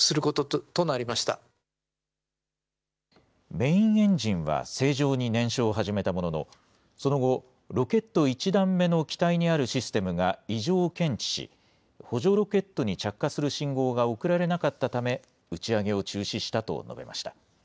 メインエンジンは正常に燃焼を始めたものの、その後、ロケット１段目の機体にあるシステムが異常を検知し、補助ロケットに着火する信号が送られなかったため、打ち上げを中止したと述べました。